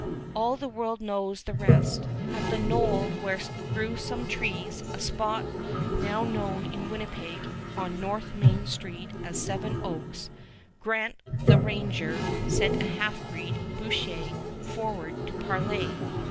All the world knows the rest. At a knoll where grew some trees, a spot now known in Winnipeg on North Main Street as Seven Oaks, Grant, the Ranger, sent a half breed, Boucher, forward to parley.